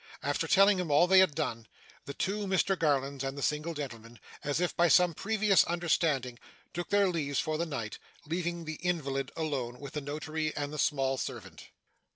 After telling him all they had done, the two Mr Garlands and the single gentleman, as if by some previous understanding, took their leaves for the night, leaving the invalid alone with the Notary and the small servant.